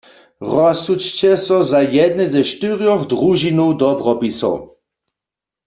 Rozsudźće so za jedne ze štyrjoch družinow dobropisow.